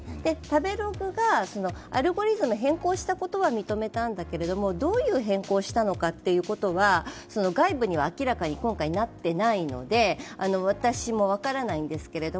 食べログがアルゴリズムを変更したことは認めたんだけどどういう変更をしたのかということは外部には今回明らかになっていないので私も分からないんですけど。